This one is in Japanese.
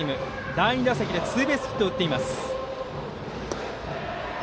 第２打席でツーベースヒットを打っています。